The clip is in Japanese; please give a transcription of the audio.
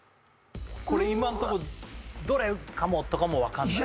これ今んとこどれかもとかも分かんない？